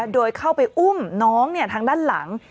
โดยเข้าไปอุ้มน้องทางด้านหลัง